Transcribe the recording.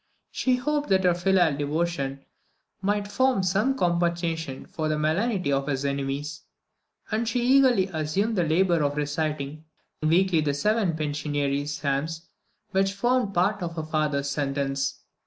She hoped that her filial devotion might form some compensation for the malignity of his enemies, and she eagerly assumed the labour of reciting weekly the seven penitentiary psalms which formed part of her father's sentence.